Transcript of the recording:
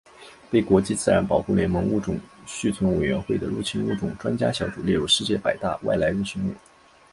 被国际自然保护联盟物种存续委员会的入侵物种专家小组列入世界百大外来入侵种。